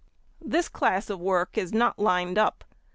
_—This class of work is not lined up.